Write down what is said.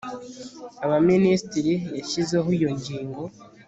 abaminisitiri yashyizeho iyo ingingo